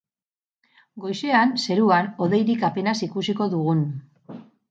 Goizean zeruan hodeirik apenas ikusiko dugun.